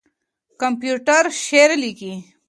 کمپيوټر شعر ليکي.